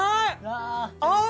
合う？